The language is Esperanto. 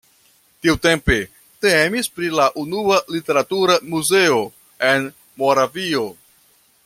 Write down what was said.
Tiutempe temis pri la unua literatura muzeo en Moravio.